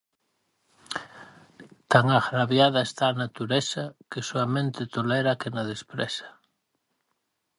Tan agraviada está a natureza que soamente tolera a quen a despreza.